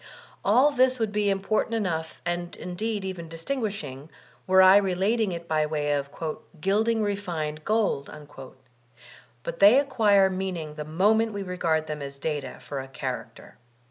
AH tfiis would be important enough and indeed even dis tingosshing, were I relating it by way of "gilding refined gold''; but they acquire meaning the moment we regard them as data for a character.